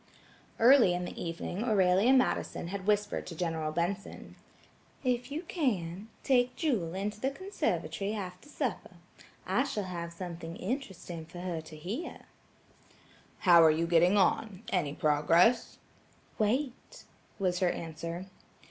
Early in the evening Aurelia Madison had whispered to General Benson: "If you can, take Jewel into the conservatory after supper. I shall have something interesting for her to hear." "How are you getting on? Any progress?" "Wait," was her answer.